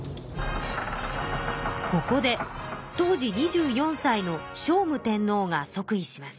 ここで当時２４さいの聖武天皇がそくいします。